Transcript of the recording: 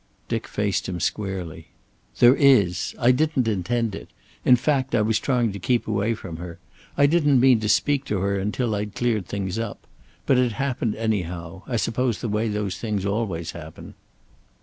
Dick faced him squarely. "There is. I didn't intend it. In fact, I was trying to keep away from her. I didn't mean to speak to her until I'd cleared things up. But it happened anyhow; I suppose the way those things always happen."